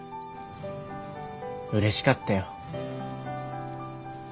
うれしかったよ。